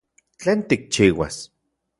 ¿Tlen tikchiuas?